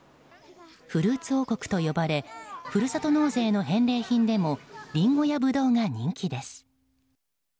フルーツ王国と呼ばれふるさと納税の返礼品でもリンゴやブドウが人気です。